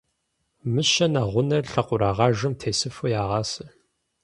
Мыщэ нэгъунэ лъакъуэрыгъажэм тесыфу ягъасэ.